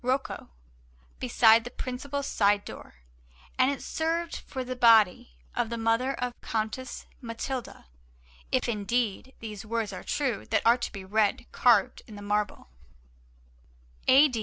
Rocco, beside the principal side door, and it served for the body of the mother of Countess Matilda, if indeed these words are true that are to be read carved in the marble: A.